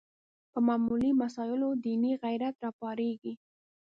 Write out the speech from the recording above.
په معمولي مسایلو دیني غیرت راپارېږي